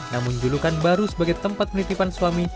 namun julukan baru sebagai tempat penitipan suami